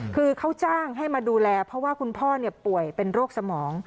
คือเขาจ้างให้มาดูแลเพราะว่าคุณพ่อป่วยเป็นโรคสมอง